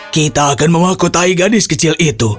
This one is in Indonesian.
kita akan memakutai gadis kecil itu